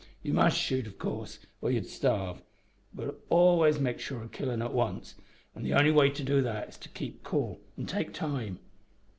You must shoot, of course, or you'd starve; but always make sure of killin' at once, an' the only way to do that is to keep cool an' take time.